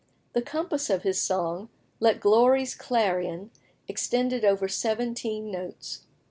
The compass of his song, "Let Glory's Clarion," extended over seventeen notes.